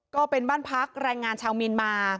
ก็เป็นบ้านพักแรงงานชาวเมียนมา